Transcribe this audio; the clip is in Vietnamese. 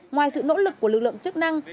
ngoài sự nỗ lực của lực lượng chức năng